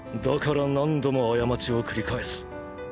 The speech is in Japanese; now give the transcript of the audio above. だから何度も過ちを繰り返す。